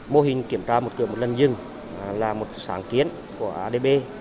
mô hình kiểm tra một cửa một lần dừng là một sáng kiến của adb